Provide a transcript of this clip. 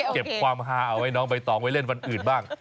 เก็บความฮาเอาไว้น้องใบตองไว้เล่นวันอื่นบ้าง